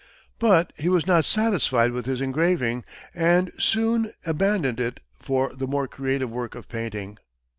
But he was not satisfied with engraving, and soon abandoned it for the more creative work of painting.